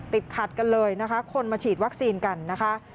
ติดขัดกันเลยนะคะคนมาฉีดวัคซีนกันนะคะ